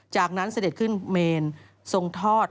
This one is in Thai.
จากนั้นเสด็จขึ้นเมนทรงทอด